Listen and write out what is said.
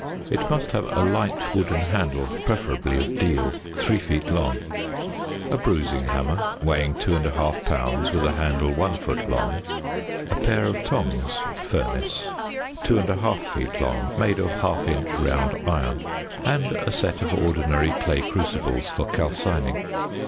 It must have a light wooden handle (preferably of deal) 3 feet long. A bruising hammer, weighing 2 1/2 pounds, with a handle 1 foot long. A pair of tongs (furnace) 2 1/2 feet long, made of 1/2 inch round iron. And a set of ordinary clay crucibles for calcining.